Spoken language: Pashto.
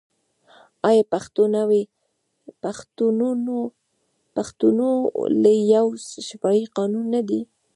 آیا پښتونولي یو شفاهي قانون نه دی؟